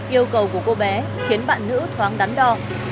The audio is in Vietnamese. yêu cầu của cô bé khiến bạn nữ thoáng đắn đo